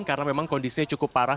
karena memang kondisinya cukup parah